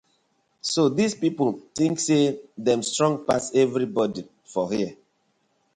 So dis pipu tink say dem strong pass everibodi for here.